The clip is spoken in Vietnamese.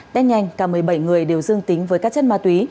tết nhanh cả một mươi bảy người đều dương tính với các chất ma túy